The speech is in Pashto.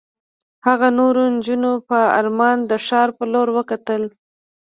هغه نورو نجونو په ارمان د ښار په لور را وکتل.